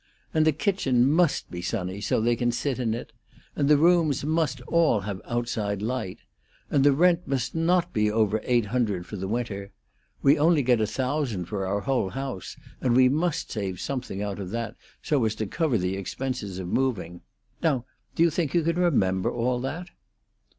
And the kitchen must be sunny, so they can sit in it. And the rooms must all have outside light. And the rent must not be over eight hundred for the winter. We only get a thousand for our whole house, and we must save something out of that, so as to cover the expenses of moving. Now, do you think you can remember all that?"